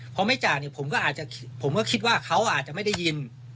เพราะไม่จากผมก็คิดว่าเขาอาจจะไม่ได้ยิน